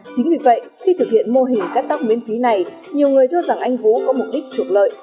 chính vì vậy khi thực hiện mô hình cắt tóc miễn phí này nhiều người cho rằng anh vũ có mục đích trục lợi